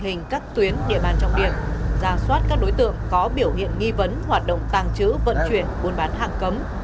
hình cắt tuyến địa bàn trọng điện ràng soát các đối tượng có biểu hiện nghi vấn hoạt động tàng trữ vận chuyển buôn bán hàng cấm